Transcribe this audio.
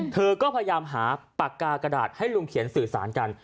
เธอก็พยายามหาปากกากระดาษให้ลุงเขียนสื่อสารกัน